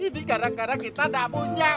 ini gara gara kita tidak punya